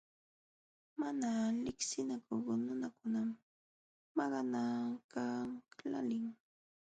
Mana liqsinakuq nunakunam maqanakaqlaalin.